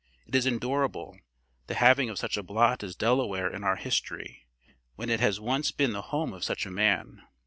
It is endurable, the having of such a blot as Delaware in our history, when it has once been the home of such a man.